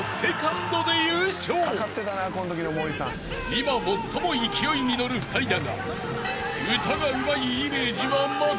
［今最も勢いにのる２人だが］